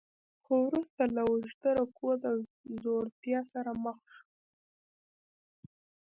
خو وروسته له اوږده رکود او ځوړتیا سره مخ شو.